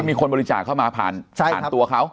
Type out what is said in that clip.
มีคนบริจาคเข้ามาผ่านตัวเขา